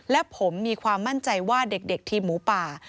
และผมมีความมั่นใจว่าเด็กทีมหมูป่า